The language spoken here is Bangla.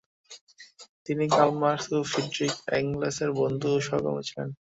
তিনি কার্ল মার্কস ও ফ্রিডরিখ এঙ্গেলসের বন্ধু ও সহকর্মী ছিলেন।